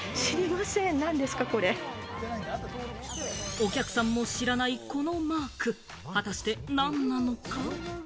お客さんも知らないこのマーク、果たして何なのか？